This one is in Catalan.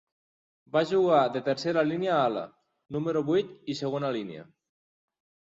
Va jugar de tercera línia ala, número vuit i segona línia.